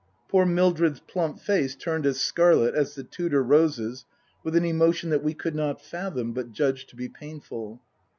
Poor Mildred's plump face turned as scarlet as the Tudor roses with an emotion that we could not fathom, but judged to be painful.